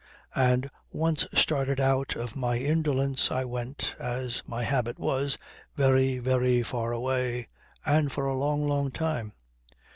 And once started out of my indolence I went, as my habit was, very, very far away and for a long, long time.